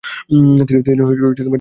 তিনি যোগ্যতার পরিচয় দিয়েছেন।